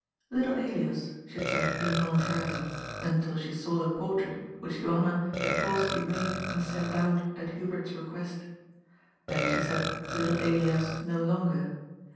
'^Little Elias," she had said in voluntarily, until she saw the portrait which Johanna had caused to be made and sent out at Hubert's request. Then she said "Little Elias" no longer.